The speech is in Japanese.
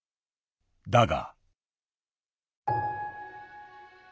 だが。